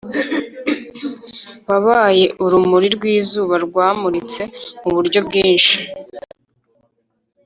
wabaye urumuri rw'izuba rwamuritse muburyo bwinshi